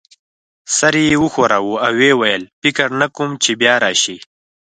سر یې وښوراوه او ويې ویل: فکر نه کوم چي بیا راشې.